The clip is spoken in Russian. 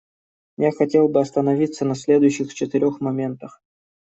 Я хотел бы остановиться на следующих четырех моментах.